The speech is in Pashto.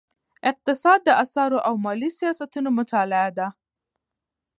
اقتصاد د اسعارو او مالي سیاستونو مطالعه ده.